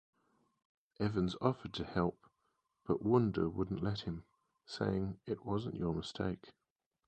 Evans offered to help, but Wunder wouldn't let him saying, It wasn't your mistake.